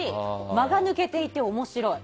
間が抜けていて面白い。